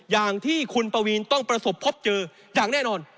อย่างที่คุณปวีนต้องประสบพบเจออย่างแน่นอน